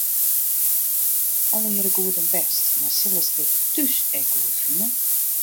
Allegearre goed en bêst, mar sille se dit thús ek goed fine?